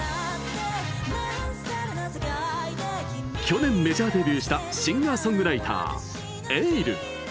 去年メジャーデビューしたシンガーソングライターｅｉｌｌ。